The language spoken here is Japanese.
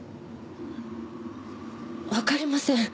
わかりません。